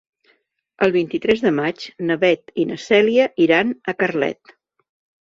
El vint-i-tres de maig na Beth i na Cèlia iran a Carlet.